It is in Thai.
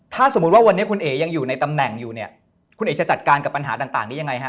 ถ้าสมมุติว่าวันนี้คุณเอ๋ยังอยู่ในตำแหน่งอยู่เนี่ยคุณเอ๋จะจัดการกับปัญหาต่างได้ยังไงฮะ